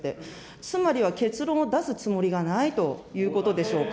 つまりは結論を出すつもりがないということでしょうか。